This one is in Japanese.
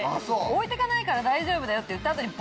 「置いてかないから大丈夫だよ」って言った後に。